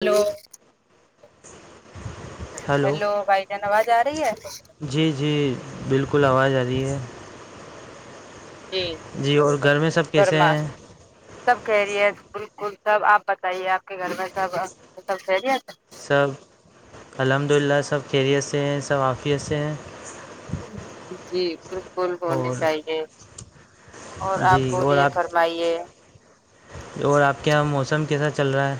hello [inaudible] hello بھائی جان آواز آ رہی ہے جی جی بالکل آواز آ رہی ہے جی جی اور گھر میں سب کیسے فرما ہیں سب کہہ رہی ہے بالکل سب آپ بتائیے آپ کے گھر میں سب سپ سیری آتا سب الحمد للہ سب خریت سے ہیں سب عافیت سے ہیں جی بالکل ہونے اور چاہیے اور آپ جی اور بولیے فرمائیے اور آپ کے یہاں موسم کیسا چل رہا ہے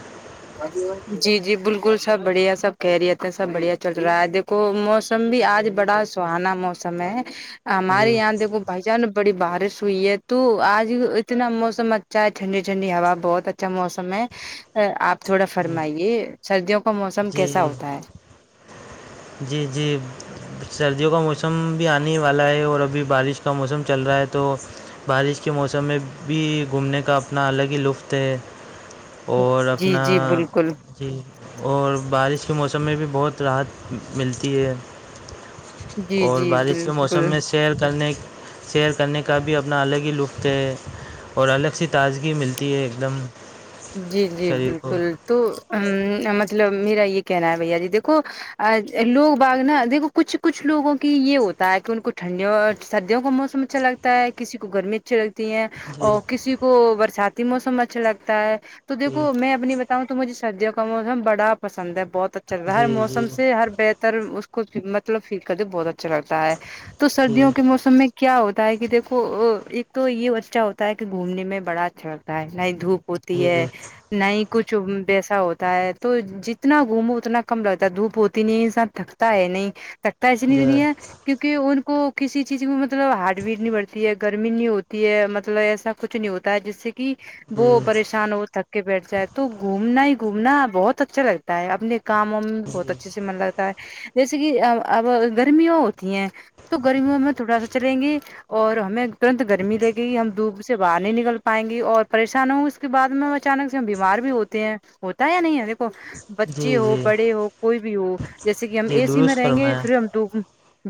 جی جی بالکل سب بڑھیا سب کہہ رہیے تھے سب بڑھیا چل رہا ہے کو موسم بھی آج بڑا سہانا موسم ہے ہے ہمارے جی یہاں دیکھو بھائی چان بڑی بارش ہوئی ہے تو آج اتنا موسم اچا چاہے ٹھنڈی ٹھنڈی ہوا بہت اچھا موسم ہے آپ تھوڑا فرمائیے سردیوں کا موسم کیسا جی ہوتا ہے جی جی سردیوں کا موسم بھی آنے والا ہے اور ابھی بارش کا موسم چل رہا ہے تو بارش کے موسم میں بھی گھومنے کا اپنا الگ ہی لطف ہے اور جی اپنا جی بالکل جی اور بارش کے موسم میں بھی بہت راحت ملتی ہے جی اور جی بارش کے بالکل موسم میں شیر کرنے سئیر کرنے کا بھی اپنا الگ ہی لطف ہے اور الگ سی تازگی ملتی ہے ایک دم جی جی شریر کو بالکل تو مطلب میرا یہ کہنا ہے بھیا جی دیکھو لوگ باغ نا دیکھو کچھ کچھ لوگوں کی یہ ہوتا ہے کہ ان کو ٹھنڈیوں اور سردیوں کا موسم اچھا لگتا ہے کسی کو گرمی اچھی لگتی ہیں جی اور کسی کو برساتی موسم اچھا لگتا ہے تو جی دیکھو میں اپنی ب تا ہوں تو مجھے سردیوں کا موسم بڑا پسند ہے بہت اچھا لگتا ہے ہر جی جی موسم سےر ر اس کو مطلب فیل کرتے بہت اچھا لگتا ہے تو جی سردیوں کے موسم میں کیا ہوتا ہے کہ دیکھو ایک تو یہ بچہ ہوتا ہے کہ گھومنے میں بڑا اچھا لگتا ہے نہ ہی دھوپ ہو جی جی دے نہ ہی کچھ ویسا ہوتا ہے تو جتنا گھومو اتنا کم لگتا ہے دھوپ ہوتی نہیں ساتھ تھک تا ہے نہیں تخت اینی جی دیا کیونکہ ان کو کسی چیز میں مطلب ہارڈ وٹ نہیں بڑھتی ہے گرمی نہیں ہوتی ہے مطلب ایسا کچھ نہیں ہوتا ہے جس سے کہ وہ جی پریشان ہو تھک کے بیٹھ جائے تو گھومنا ہی گھومنا بہت اچھا لگتا ہے اپنے کام و میں بہت اچھے سے من لگ جیسے کہ اب گرمییا ہوتی ہیں تو گرمیوں میں تھوڑا سا چلیں گے اور ہمیں ترنت گرمی دے گئی ہم دھوپ سے باہر نہیں نکل پائیں گے اور پریشان ہوں گے اس اس بعد میں اچانک سے ہم بیمار بھی ہوتے ہیں ہوتا ہے یا نہیں ہے دیکو بچے جی ہو جی بڑے ہو کوئی بھی ہو جیسے کہ ہم جی اے سی میں درست رہیں گے فرمایا پھر ہم دپ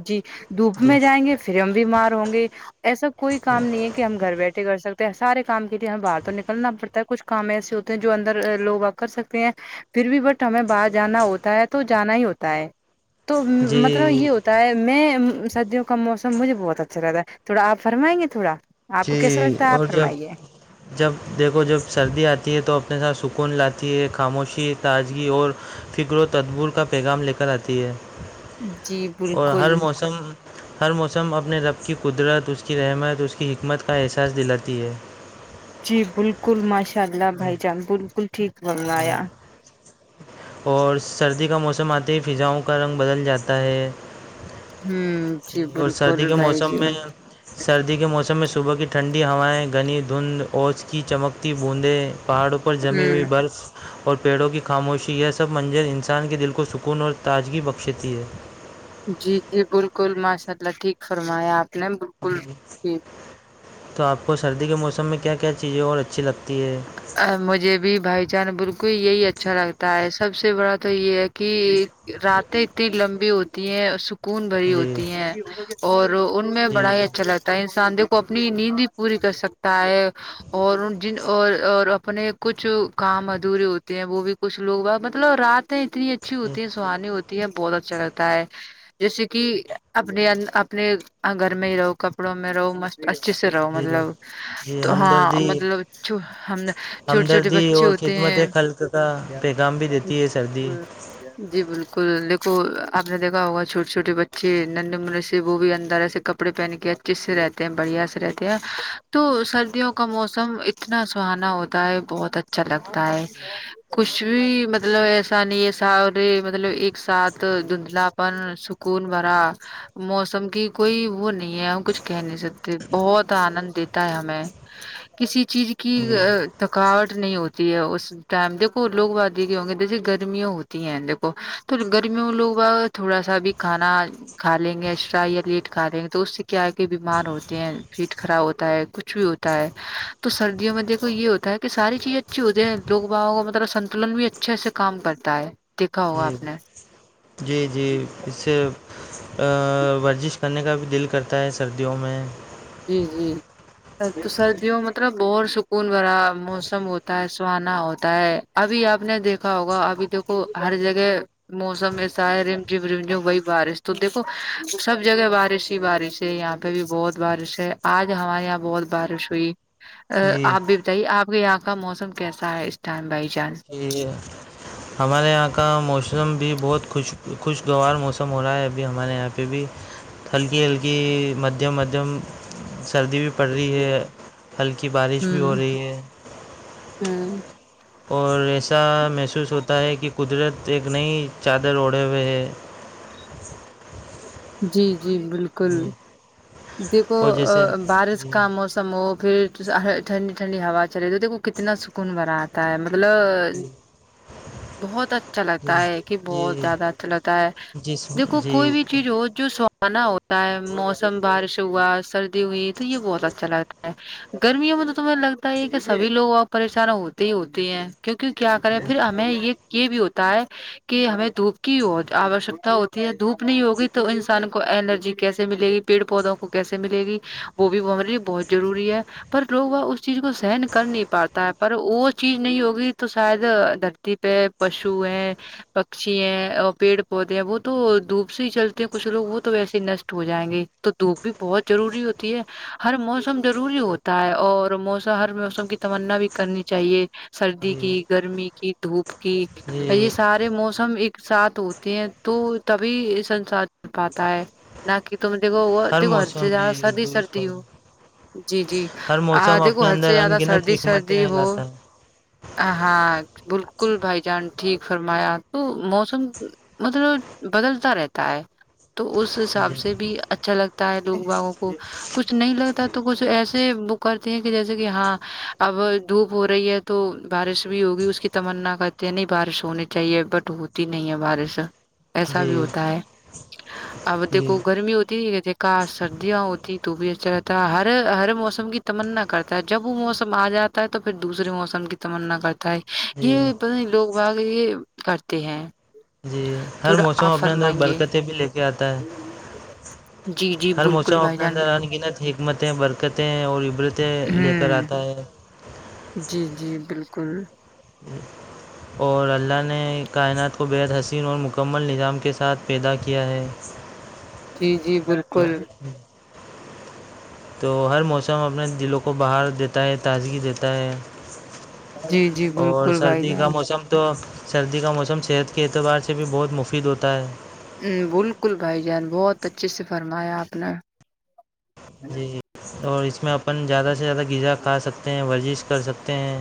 جی دھوپ جی میں جائیں گے فھر ہم بیمار ہوں گے ایسا کوئی کام نہیں ہے کہ ہم گھر بیٹھے کر سکتے ہیں سارے کام کے لیے ہم باہر تو نکل کرنا پڑتا ہے کچھ کام ایسے ہوتے ہیں جو اندر لوگ آپ کر سکتے ہیں پھر بھی بٹ ہمیں باہر جانا ہوتا ہے تو جانا ہی ہوتا ہے تو مطلب جی یہ ہوتا میں سردیوں کا موسم مجھے بہت اچھا لگتا ہے تھوڑا آپ فرمائیں گے تھوڑا آپ کو کیسا جی لگتا ہے آپ اور جب فرمائیے جب دیکھو جب سردی آتی ہے تو اپنے ساتھ سکون لاتی ہے خاموشی تازگی اور فکر و تدبور کا پیغام لے کر آتی ہے جی اور بالکل ہر موسم ہر موسم اپنے رب کی قدرت اس کی رحمت اس کی حکمت کا احساس دلاتی ہے جی بالکل ماشاء اللہ بھائی جان بالکل ٹھیک بولنایا اور سردی کا موسم آتی ہی فضاؤں کا رنگ بدل جاتا ہے ہوں جی ج اور سردی بالکل کے بھائی موسم جی میں سردی کے موسم میں صبح کی ٹھنڈی ہوائیں گھنی دھند اوچھ کی چمکتی بوندیں پہاڑوں پر جمی ہوں ہوئی برف اور پیڑوں کی خاموشی یہ سب منزل انسان کے دل کو سکون اور تازگی بخشتی ہے جی جی بالکل ماشاء اللہ ٹھیک فرمایا آپ نے بالکل جی جی ٹھیک تو آپ کو سردی کے موسم میں کیا کیا چیزیں اور اچھی لگتی ہے مجھے بھی بھائی چان بالکل یہی اچھا لگتا ہے سب سے بڑا تو یہ ہے کہ راتیں اتنی لمبی ہوتی ہیں خون بھری جی ہوتی ہیں اور ان میں بڑا جی ہی اچھا لگتا ہے انسان دیک کو اپنی نیند بھی پوری کر سکتا ہے اور جن اور اور اپنے کچھ کام ادھورے ہوتے ہیں وہ بھی کچھ لوگ مطلب رات اتنی اچھی جی ہوتی ہے سہانی ہوتی ہے بہت اچھا لگتا ہے جیسے کہ اپنے اپنے گھر میں ہی رہو کپڑوں میں رہو مست اچھے سے رہو جی مطلب جی تو ہاں ہمدردی مطلب ہم نے چھوٹے چھوٹے ہمدردی بچے اور ہوتے خدمت ہیں خلق کا پیغام بھی دیتی ہے سردی [inaudible] جی بالکل دیکھو آپ نے دیکھا ہوگا چھٹے چھوٹے بچے ننڈے مے سے وہ بھی اندر ایسے کپ کپڑے پہن کے اچھے سے رہتے ہیں بڑھیا سے رہتے ہیں تو سردیوں کا موسم اتنا سہانا ہوتا ہے بہت اچھا لگتا ہے کچھ بھی مطلب ایسا نہیں ہے سارے مطلب ایک ساتھ دھندلاپن سکھ کون بورا موسم کی کوئی وہ نہیں ہے ہم کچھ کہہ نہیں سکتے بہت آنند دیتا ہے ہمیں کسی چیز کی جی تھکاوٹ نہیں ہوتی ہے اس ٹائم دیکو لوگ وادی کے ہوں گے جیسے گرمیاں ہوتی ہیں دیکھو تو گرمیوں میں لوگ تھوڑا سا بھی کھانا کھا لیں گےسٹر یا لیٹ کھا لیں گے تو اس سے کیا ہے کہ بیمار ہوتے ہیں پیٹ خراب ہوتا ہے کچھ بھی ہو ت ہے [inaudible] تو سردیوں میں دیکھو یہ ہوتا ہے کہ ساری چیزیں اچھی ہوتی ہیں لوگ باؤوں کا مطلب سنتلن بھی اچھے سے کام کرتا ہے دیککھا ہوگا جی آپ نے جی جی اس سے ورزش کرنے کا بھی دل کرتا ہے سردیوں میں جی جی تو سردیوں مطلب بہت سکون بھرا موسم ہوتا ہے سہانا ہوتا ہے ابھی آپ نے دیکھا ہوگا ابھی دیکھو ہر جگہ موسم ایسا ہے رم جم رم جھم وہی بارش تو دیکو سب جگہ بارش ہی بارش یہاں پہ بھی بہت بارش ہے آج ہمارے یہاں بہت بارش ہوئی ا جی آپ بھی جی آپ کے یہاں کا موسم کیسا ہے اسٹم بھائی جان ج ہے [inaudible] ہمارے یہاں کا موسم بھی بہت خوش خوشگوار موسم ہو رہا ہے ابھی ہمارے یہاں پہ بھی ہلکی ہلکی مدھیم مدھیم سردی بھی پڑ رہی ہے ہلکی بارش بھی ہو ہوں رہی ہے ہوں اور ایسا محسوس ہوتا ہے کہ قدرت ایک نئی چادر اوڑھے ہوئے ہے جی جی بالکل ہی [inaudible] دیکھو بارش جی کا موسم سمو پھر ٹھنڈی ٹھنڈی ہوا چلے تو دیکھو کتنا سکون برا ت مطلب جی بہت اچھا جی لگتا ہے یہ کہ بہت جی زیادہ اچھا لگتا ہے جس دیکھو کوئی جی بھی چیز ہو جو سہانا ہوتا ہے موسم بارش ہوا سردی ہوئی تو یہ بہت اچھا لگتا ہے گرمیوں میں تو تمہیں لگتا ہے کہ سبھی لوگ وہ پریشان ہوتے ہی ہوتے ہیں کیونک کیا کرے پھر ہمیں یہ یہ بھی ہوتا ہے کہ ہمیں دھوپ کی آوشکتا ہوتی ہے دھوپ نہیں ہوگی تو انسان کو الرجی کیسے ملے گی پیڑ پودوں کو کیسے ملے گی وہ بھی ہمارے لیے بہت ضروری ہے پر لوگ وہ اس چیز کو سہن کر نہیں پاتا ہے پر وہ چیز نہیں ہوگی تو شاید د تی پہ پشو ہے پکشی ہیں اور پیڑ پودے ہیں وہ تو دھوپ سے ہی چلتے ہیں کچھ لوگ وہ تو ویسے ہی نشٹ ہو جائیں گے تو دھوپ بھی بہت ضروری ہوتی ہے ہر موسم ضروری ہوتا ہے اور موسم ہر موسم کی تمنا بھی کرنی چاہیے سردی جی کی گرمی کی دھوپ کی یہ جی سارے موسم ایک ساتھ ہوتے ہیں تو تبھی سسار چ پاتا ہے نہ کہ تم کو وہ ہر تو گھر موسم سے جیادہ جی سردی درست سردی ہو جی جی ہر ہ موسم دیکھو اپنے حد سے اندر زیادہ انگنت سردی سردی حکمتیں ہو لاتا ہے ہاں بالکل بھائی جان ٹھیک فرمایا تو موسم مطلب بدلتا رہتا ہے تو اس حساب جی سے بھی اچ اچھا لگتا ہے لوگ باگوں کو کچھ نہیں لگتا تو کچھ ایسے وہ کرتے ہیں کہ جیسے کہ ہاں اب دھوپ ہو رہی ہے تو بارش بھی ہوگی اس کی تمنا کرتے ہیں نہیں بارش ہونی چاہیے بٹ ہوتی نہیں ہے بارش ایسا بھی جی ہوتا ہے اب جی دیکھو گرمی ہوتی ہے جکا سردیاں ہوتیھی تو بھی اچھا رہتا ہر ہر موسم کی تمنا کرتا جب وہ موسم آ جاتا ہے تو پھر دوسرے موسم کی تمنا کرتا ہے جی یہ پت نہیں لوگ باق یہ کرتے ہیں جی ہر تھوڑا موسم آپ اپنے اندر فرمائیں گے برکتیں بھی لے کے آتا ہے جی جی ہر بالکل موسم بھائی اپنے جان اندر ان گنت حکمتیں برکتیں اور ابرتیں لے کر ہوں آتا ہے جی جی بالکل ہوں اور اللہ نے کائنات کو بےحد حسین اور مکمل نظام کے ساتھ پیدا کیا ہے جی جی تو بالکل تو ہر موسم اپنے دلوں کو باہر دیتا ہے تازگی دیتا ہے جی جی اور بالکل بھائی سردی جان کا موسم تو سردی کا موسم صحت کے اعتبار سے بھی بہت مفید ہوتا ہے بالکل بھائی جان بہت اچھے سے فرمایا آپ نے جی جی اور اس میں اپن زیادہ سے زیادہ غذا کھا سکتے ہیں ورزش کر سکتے ہیں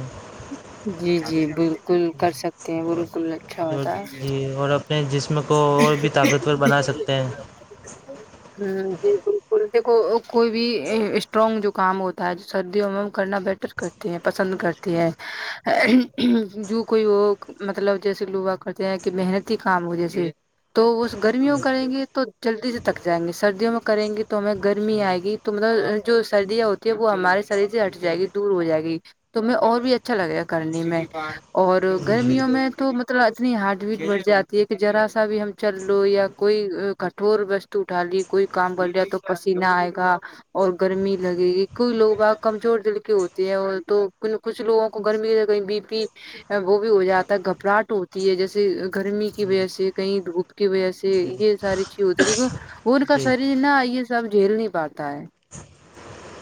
جی جی بالکل کر سکتے ہیں بالکل اچھا جو ہوتا ہے جی اور اپنے جسم کو اور بھی طاقتور بنا سکتے ہیں ہ جی بک د کوئی بھی اسٹرانگ جو کام ہوتا ہے سردیوں میں کرنا بیٹر کر پسند کرتے ہیں جو کوئی وہ مطلب جیسے لوگا کرتے ہیں کہ محن کام ہو جیسے تو وہ گرمیوں میں کریں گے تو جلدی سے تک جائیں گے سردیوں میں کریں گی تو ہمیں گرمی جی آئے گی تو مطلب جو سردیاں ہوتی ہیں وہ ہمارے شریر سے ہٹ جائے گی دور ہو جائے گی توم اور بھی اچھا لگے گا کرنے میں اور جی گرمیوں میں تو مطلب اتنی ہارڈ بیٹ بڑھ جاتی ہے کہ ذرا سا بھی ہم چل لو یا کوئی کٹور و اٹھا لی کوئی کام ب لیا تو پسیینہ آئے گا اور گرمی لگے گی کوئی لوگ آ کمزور دل کے ہوتے ہیں تو کچھ لوگوں کو گرمی کہیں بی پی وہ بھی ہو جاتا ہے گھبراہٹ ہوتی ہے جیسے گرمی کی وجہ سے کہیں د کی وجہ سے جی یہ ساری چیز ہوتی ہے کیونکہ وہ ان کا جی شریر نا یہ سب جھیل نہیں پاتا ہے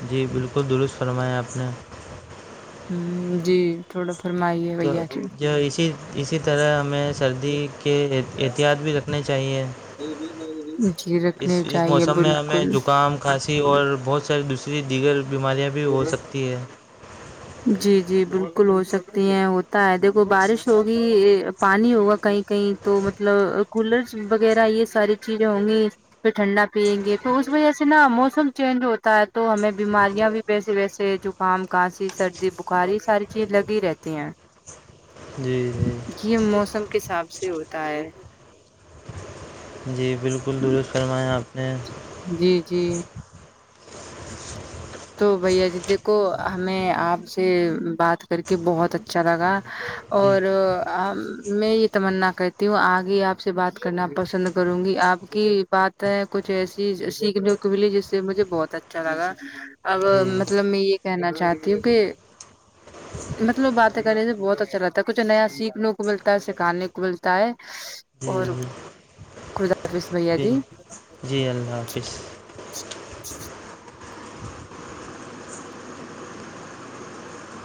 جی بالکل درست فرمایا آپ نے ہ جی تھوڑا فرمائیے تو بھیا جی جو اسی اسی طرح ہمیں سردی کے احتیاط بھی رکھ نے چاہیے جی اس رکھنے اس چاہیے موسم میں ہمیں بالکل زکام کھانسی اور بہت ساریے دوسرے اتری دیگر بیماریاں بھی ہو سکتی ہیں جی جی بالکل ہو سکتی ہیں ہوتا ہے دیکھو بارش ہوگی پانی ہوگا کہیں کہیں تو مطلب کولر وغیرہ یہ ساری چیزیں ہوں گی پھر ٹھنڈا پئیں گے تو اس وجہ سے نا موسم چینج ہوتا ہے تو ہمیں بیماریاں بھی ویسے ویسے زکام کانسی سردی بخاری ساری چیز لگی ہی رہتی ہیں جی جی یہ موسم کے حساب سے ہوتا ہے جی بالکل درست فرمایا آپ نے جی جی تو بھیا جی دیکھو ہمیں آپ سے بات کر کے بہت اچھا لگا جی اور میں یہ تمنا کرتی ہوں آگے آپ سے بات کرنا پسند کروں گی آپ کی بات کچھ ایسے جی سیکھنے کو ملی جس سے مجھے بہت اچھا لگا اب جی مطلب میں یہ کہنا چاہتی ہوں کہ مطلب باتیں کریں سے بہت اچھا لگتا ہے کچھ نیا سیکھنے کو ملتا ہے سکھانے کو ملتا ہے جی اور گد رسمیا جی جی اللہ حافظ جی